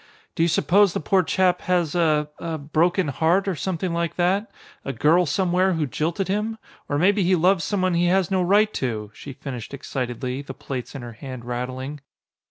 "Do you suppose the poor chap has a a broken heart, or something like that? A girl somewhere who jilted him? Or maybe he loves someone he has no right to!" she finished excitedly, the plates in her hand rattling.